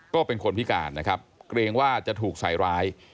ก็เป็นคนพิการนะครับเกรงว่าจะถูกใส่ร้าย